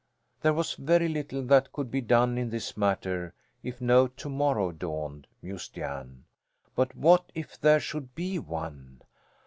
There was very little that could be done in this matter if no to morrow dawned, mused Jan. But what if there should be one?